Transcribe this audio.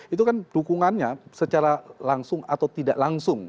itu kan dukungannya secara langsung atau tidak langsung